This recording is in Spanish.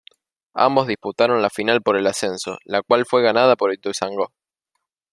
Ambos disputaron la final por el ascenso, la cual fue ganada por Ituzaingó.